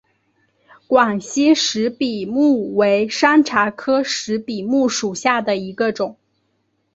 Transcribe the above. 广西石笔木为山茶科石笔木属下的一个种。